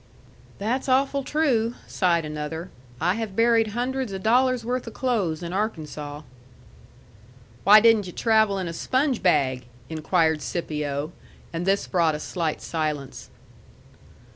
"That's awful true," sighed another. "I have buried hundreds of dollars' worth of clothes in Arkansaw." "Why didn't yu' travel in a sponge bag?" inquired Scipio. And this brought a slight silence.